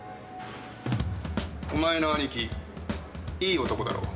お前の兄貴、いい男だろ。